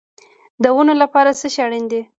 د ونو لپاره څه شی اړین دی؟